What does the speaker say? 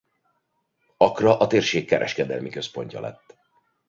Accra a térség kereskedelmi központja lett.